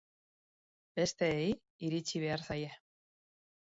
Besteei iritsi behar zaie.